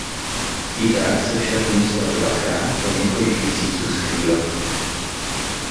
I tak se však musel dvakrát po několik měsíců skrývat.